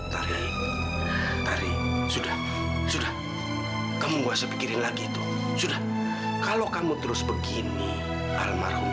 tarik tarik sudah sudah kamu gue sepikirin lagi itu sudah kalau kamu terus begini almarhum